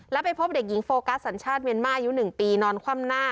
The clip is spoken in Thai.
แล้วไปพบเด็กหญิงโฟกัสสัญชาติเมียนมาอายุ๑ปีนอนคว่ำหน้า